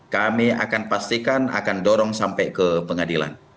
kami akan pastikan akan dorong sampai ke pengadilan